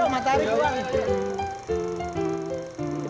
kalau yang terakhir di perjalanan berjalanan preservatifuan arab